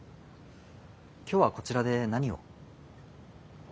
今日はこちらで何を？